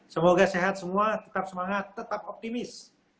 semoga sehat semua tetap semangat tetap optimis